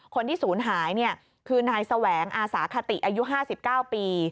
คนที่ศูนย์หายคือนายแสวงอาสาคติอายุ๕๙ปี